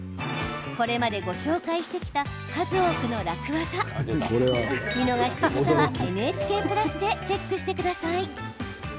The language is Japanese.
これまでご紹介してきた数多くの楽ワザ見逃した方は、ＮＨＫプラスでチェックしてください。